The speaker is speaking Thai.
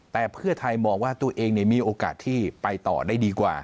แต่เพื่อไทยมองว่าตัวเองมีโอกาสที่ไปต่อได้ดีกว่า